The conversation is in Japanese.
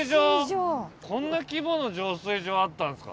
こんな規模の浄水場あったんですか！？